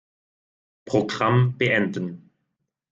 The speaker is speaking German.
Programm beenden.